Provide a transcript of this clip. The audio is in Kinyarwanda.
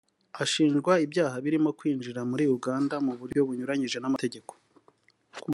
ashinjwa ibyaha birimo kwinjira muri Uganda mu buryo bunyuranyije n’amategeko